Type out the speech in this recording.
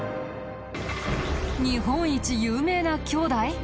日本一有名な兄弟？